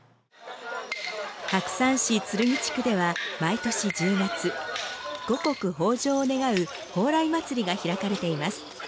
白山市鶴来地区では毎年１０月五穀豊穣を願うほうらい祭りが開かれています。